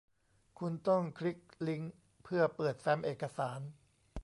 คุณต้องคลิกลิ้งก์เพื่อเปิดแฟ้มเอกสาร